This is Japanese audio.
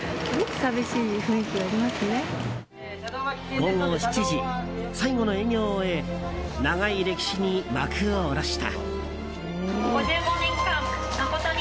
午後７時、最後の営業を終え長い歴史に幕を下ろした。